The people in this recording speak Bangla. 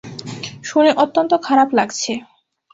শুনে অত্যন্ত খারাপ লাগছে।